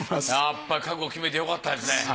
やっぱ覚悟決めてよかったですね。